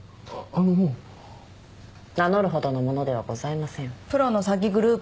あっ名乗るほどの者ではございません。